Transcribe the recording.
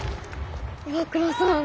岩倉さん